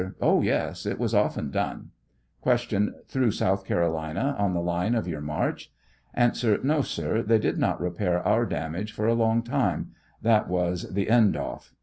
Oh, yes, it was often done. Q. Through South Carolina, on the line of your march ? A. No, sir, they did not repair our damage for a long time; that was the "end off."